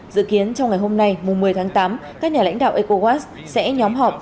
dự kiến trong ngày hôm nay một mươi tháng tám các nhà lãnh đạo ecowas sẽ nhóm họp